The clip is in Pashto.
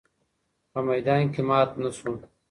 په میدان کي مات نه سو